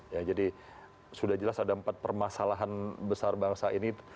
ya jadi sudah jelas ada empat permasalahan besar bangsa ini